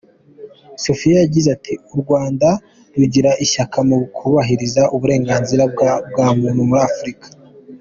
Sophia yagize ati “u Rwanda rugira ishyaka mu kubahiriza uburenganzira bwa muntu muri Afurika.